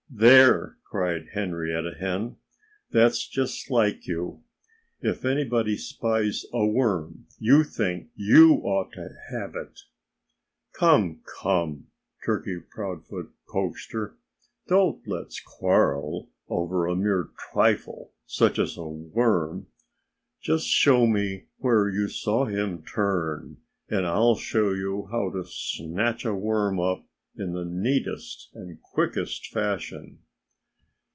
"There!" cried Henrietta Hen. "That's just like you. If anybody spies a worm, you think you ought to have it." "Come! come!" Turkey Proudfoot coaxed her. "Don't let's quarrel over a mere trifle such as a worm. Just you show me where you saw him turn and I'll show you how to snatch a worm up in the neatest and quickest fashion."